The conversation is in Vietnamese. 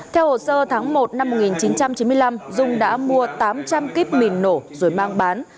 theo hồ sơ tháng một năm một nghìn chín trăm chín mươi năm dung đã mua tám trăm linh kíp mìn nổ rồi mang bán